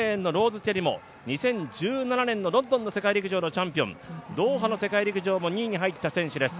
２０１７年のロンドンの世界陸上のチャンピオン、ドーハの世界陸上も２位に入った選手です。